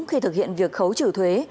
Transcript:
khi thực hiện việc khấu trừ thuế